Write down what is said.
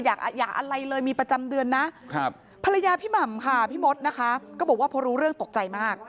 อย่าอะไรเลยมีประจำเดือนนะครับภรรยาพี่หม่ำค่ะพี่มดนะคะก็บอกว่าพอรู้เรื่องตกใจมาก